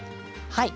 はい。